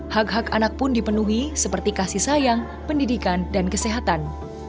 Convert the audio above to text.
hak hak anak pun dipenuhi seperti kasih sayang pendidikan dan kesehatan